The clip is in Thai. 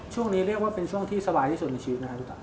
ช่วงนี้เรียกว่าเป็นช่วงที่สบายที่สุดในชีวิตนะครับ